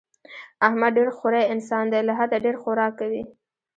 احمد ډېر خوری انسان دی، له حده ډېر خوراک کوي.